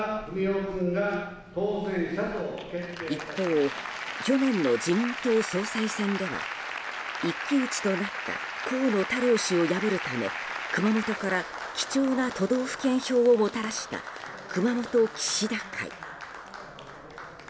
一方、去年の自民党総裁選では一騎打ちとなった河野太郎氏を破るため熊本から貴重な都道府県票をもたらした熊本岸田会。